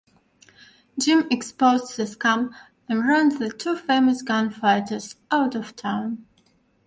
Jim exposed the scam and ran the two famous gunfighters out of town.